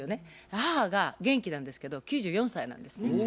母が元気なんですけど９４歳なんですね。